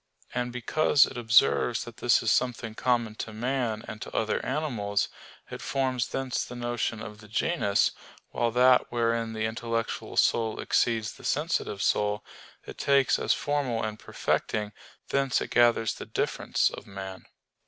And because it observes that this is something common to man and to other animals, it forms thence the notion of the genus; while that wherein the intellectual soul exceeds the sensitive soul, it takes as formal and perfecting; thence it gathers the "difference" of man.